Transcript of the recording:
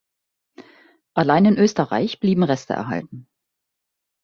Allein in Österreich blieben Reste erhalten.